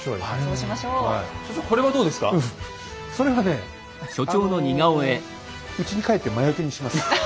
それはねあのうちに帰って魔よけにします。